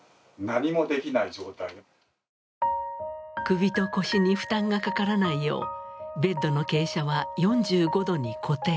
首と腰に負担がかからないようベッドの傾斜は４５度に固定。